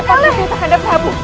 kepalaku yang terhadap prabu